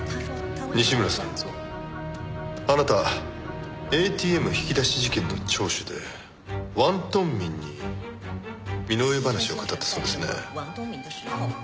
西村さんあなたＡＴＭ引き出し事件の聴取で王東明に身の上話を語ったそうですね。